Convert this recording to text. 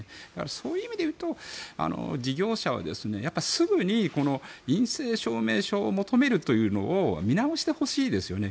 そういう意味で言うと事業者はすぐに陰性証明書を求めるというのを見直してほしいですよね。